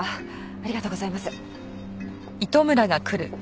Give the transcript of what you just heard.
ありがとうございます。